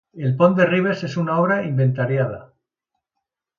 El Pont de Ribes és una obra inventariada.